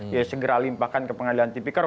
ya segera limpahkan ke pengadilan tipikor